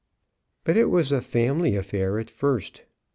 "] But it was a family affair at first.